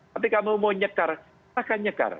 tapi kamu mau nyekar silahkan nyekar